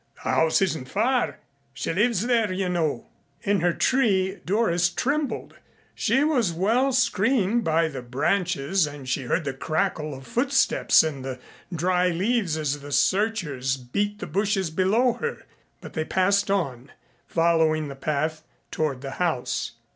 The house isn't far. She lives there, you know." In her tree Doris trembled. She was well screened by the branches and she heard the crackle of footsteps in the dry leaves as the searchers beat the bushes below her, but they passed on, following the path toward the house.